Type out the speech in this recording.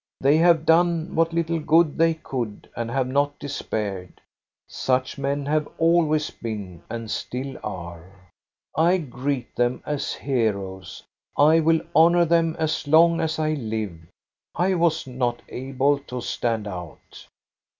They have done what little good they could and have not despaired. Such men have always been and still are. I greet them as heroes. I will honor them as long as I live. I was not able to stand out."